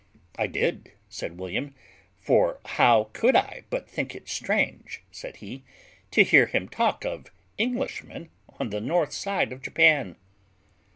"I did," said William; "for how could I but think it strange," said he, "to hear him talk of Englishmen on the north side of Japan?"